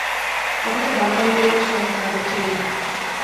অথচ বাড়াবাড়ি করিবার সাহস তাহদের ছিল না।